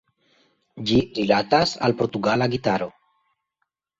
Ĝi rilatas al Portugala gitaro.